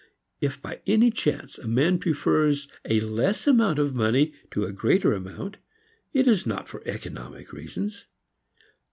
If by any chance a man prefers a less amount of money to a greater amount, it is not for economic reasons.